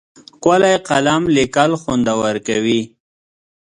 ښکلی قلم لیکل خوندور کوي.